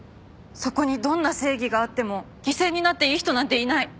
そこにどんな正義があっても犠牲になっていい人なんていない。